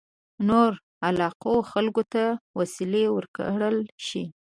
نورو علاقو خلکو ته وسلې ورکړل شي.